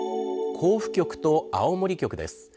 甲府局と青森局です。